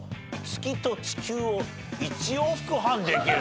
「月と地球を一往復半」では柳原。